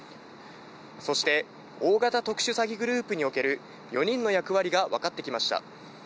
そして大型特殊詐欺グループにおける４人の役割がわかってきました。